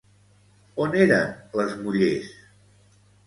On eren les mullers?